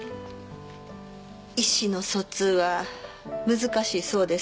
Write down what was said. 意思の疎通は難しいそうです。